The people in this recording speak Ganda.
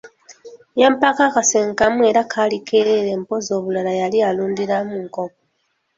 Yampaako akasenge kamu era kaali keereere mpozzi obulala yali alundiramu nkoko.